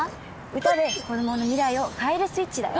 歌で子どもの未来を変えるスイッチだよ。